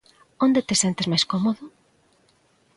Onde te sentes máis cómodo?